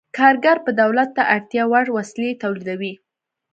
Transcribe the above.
کارګر به دولت ته اړتیا وړ وسلې تولیدوي.